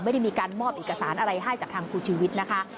ไม่ได้มีการมอบเอกสารอะไรให้จากทางครูชีวิตนะคะ